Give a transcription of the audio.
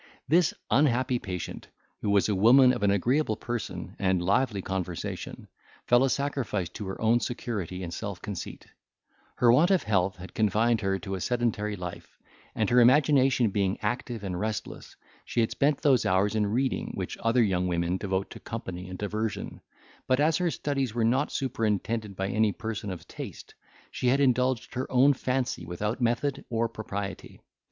This unhappy patient, who was a woman of an agreeable person and lively conversation, fell a sacrifice to her own security and self conceit; her want of health had confined her to a sedentary life, and her imagination being active and restless, she had spent those hours in reading which other young women devote to company and diversion, but, as her studies were not superintended by any person of taste, she had indulged her own fancy without method or propriety.